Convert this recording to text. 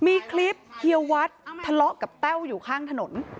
มีคลิปเฮียวัดทะเลาะกับแต้วอยู่ข้างถนน